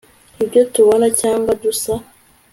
ibyo tubona cyangwa dusa